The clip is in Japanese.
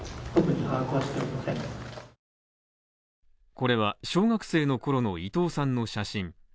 これは小学生の頃の伊藤さんの写真。